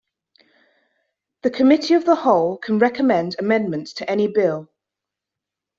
The Committee of the Whole can recommend amendments to any bill.